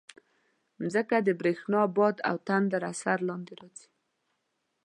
مځکه د برېښنا، باد او تندر اثر لاندې راځي.